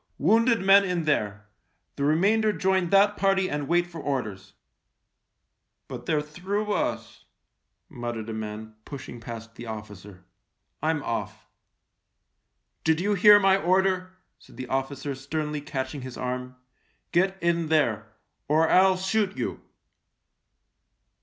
" Wounded men in there ! The remainder join that party and wait for orders !"" But they're through us," muttered a man, pushing past the officer. " I'm off." " Did you hear my order ?" said the officer sternly catching his arm. " Get in there — or I'll shoot you."